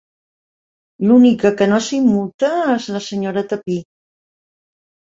L'única que no s'immuta és la senyoreta Pi.